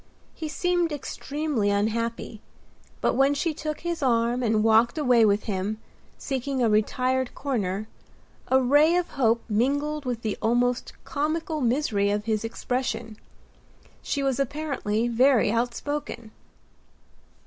He seemed extremely unhappy; but when she took his arm and walked away with him, seeking a retired corner, a ray of hope mingled with the almost comical misery of his expression. She was apparently very outspoken.